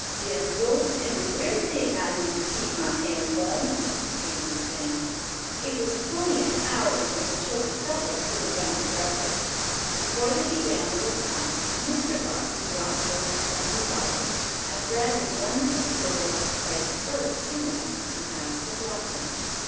"Dem globes am de werry t'ing I needed to keep ma hands warm," came from Sam. It was fully an hour before the children felt like sitting down to breakfast. Before they began the repast Mr. Bobbsey brought forth the family Bible and read the wonderful story of Christ's birth to them, and asked the blessing.